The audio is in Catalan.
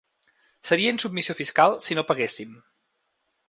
Seria insubmissió fiscal si no paguéssim.